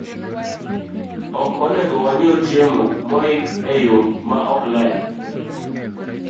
Ok onego wang'iew chiemo moik e yo maok ler.